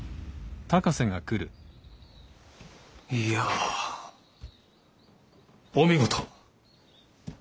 いやお見事。